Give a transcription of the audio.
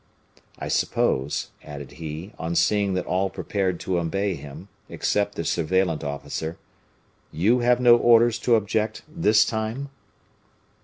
I suppose," added he, on seeing that all prepared to obey him, except the surveillant officer, "you have no orders to object, this time?"